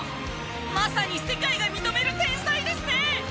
まさに世界が認める天才ですね！